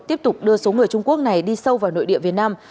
tiếp tục đưa số người trung quốc này đi sâu vào nội địa việt nam